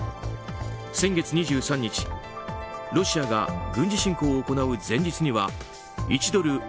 先月２３日ロシアが軍事侵攻を行う前日には１ドル